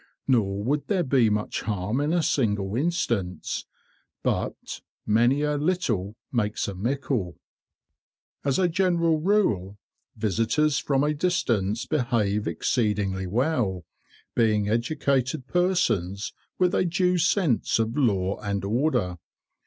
Nor would there be much harm in a single instance, but "many a little makes a mickle." As a general rule, visitors from a distance behave exceedingly well, being educated persons with a due sense of law and order.